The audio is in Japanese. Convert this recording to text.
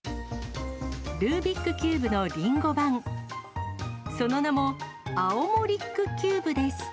ルービックキューブのりんご版、その名も、アオモリックキューブです。